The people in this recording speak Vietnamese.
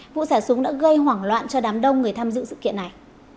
vụ xả súng đã gây hoảng loạn cho đám đông người tham dự sự kiện này